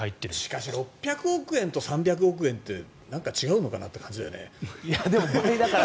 しかし６００億円と３００億円ってなんか違うのかなという感じだよね。